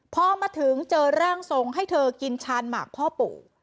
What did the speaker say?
พอมาถึงเจอร่างทรงให้เธอกินชานหมากพ่อปู่